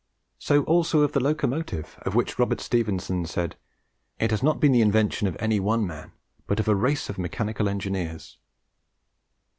So also of the Locomotive, of which Robert Stephenson said, "It has not been the invention of any one man, but of a race of mechanical engineers."